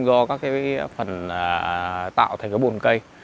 do các phần tạo thành bồn cây